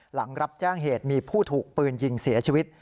หลังรับแจ้งเหตุมีผู้ถูกปืนยิงเสียชีวิต